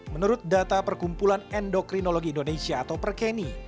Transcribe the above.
menurut data perkumpulan endokrinologi indonesia atau perkeni